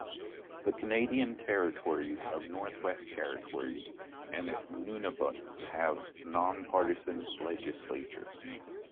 The Canadian territories of the Northwest Territories and Nunavut have nonpartisan legislatures.